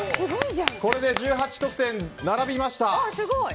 これで１８得点、並びました。